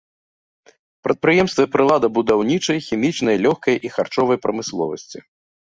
Прадпрыемствы прыладабудаўнічы, хімічнай, лёгкай і харчовай прамысловасці.